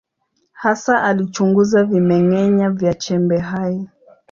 Hasa alichunguza vimeng’enya vya chembe hai.